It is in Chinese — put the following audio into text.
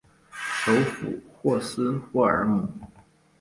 首府霍斯霍尔姆。